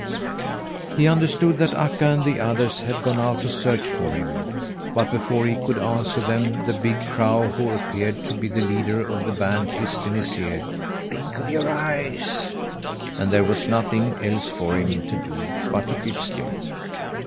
He understood that Akka and the others had gone out to search for him; but before he could answer them the big crow who appeared to be the leader of the band hissed in his ear: "Think of your eyes!" And there was nothing else for him to do but to keep still.